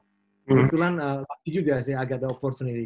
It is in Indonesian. kebetulan lucky juga sih agak ada opportunity